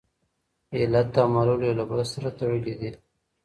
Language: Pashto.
علت او معلول یو له بل سره تړلي دي.